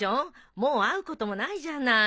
もう会うこともないじゃない。